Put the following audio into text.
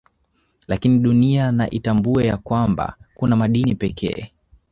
Lakini Dunia na itambue ya kwanba kuna madini pekee